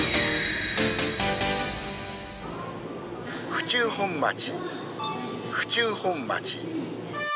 「府中本町府中本町」。